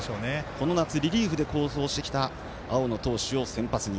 この夏リリーフで好投をしてきた青野投手を先発に。